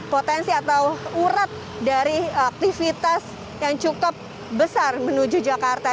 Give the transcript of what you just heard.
potensi atau urat dari aktivitas yang cukup besar menuju jakarta